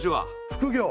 副業？